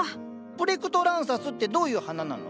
プレクトランサスってどういう花なの？